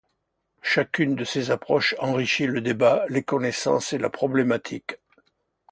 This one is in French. Chacune de ces approches enrichit le débat, les connaissances et la problématique.